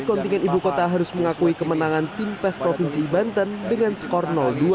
kontingen ibu kota harus mengakui kemenangan tim pes provinsi banten dengan skor dua